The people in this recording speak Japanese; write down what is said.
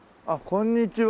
こんにちは。